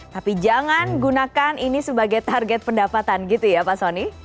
tapi jangan gunakan ini sebagai target pendapatan gitu ya pak soni